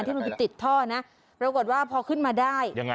ที่มันติดท่อนะเรากดว่าพอขึ้นมาได้